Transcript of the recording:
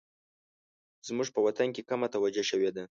زموږ په وطن کې کمه توجه شوې ده